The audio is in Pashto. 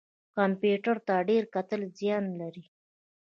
کمپیوټر ته ډیر کتل زیان لري